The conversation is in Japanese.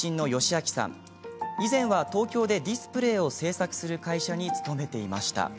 以前は東京でディスプレーを製作する会社に勤めていました。